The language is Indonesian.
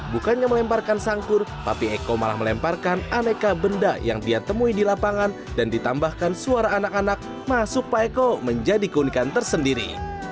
bukannya melemparkan sangkur tapi eko malah melemparkan aneka benda yang dia temui di lapangan dan ditambahkan suara anak anak masuk pak eko menjadi keunikan tersendiri